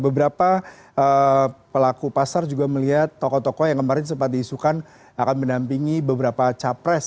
beberapa pelaku pasar juga melihat tokoh tokoh yang kemarin sempat diisukan akan mendampingi beberapa capres